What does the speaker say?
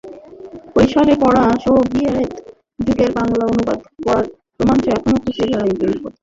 কৈশোরে পড়া সোভিয়েত যুগের বাংলা অনুবাদ পড়ার রোমাঞ্চ এখনো খুঁজে বেড়ান বইপত্রে।